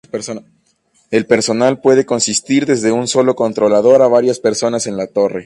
El personal puede consistir desde un solo controlador, a varias personas en la torre.